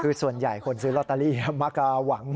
คือส่วนใหญ่คนซื้อลอตเตอรี่มักจะหวัง